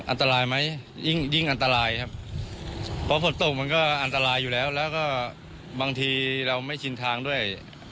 อันตรายไหมยิ่งยิ่งอันตรายครับเพราะฝนตกมันก็อันตรายอยู่แล้วแล้วก็บางทีเราไม่ชินทางด้วย